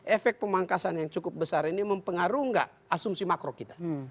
efek pemangkasan yang cukup besar ini mempengaruhi enggak asumsi makro kita